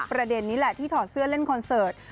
ประเด็นนี้แหละที่ถอดเสื้อเล่นคอนเสิร์ต